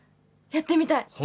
やってみたい。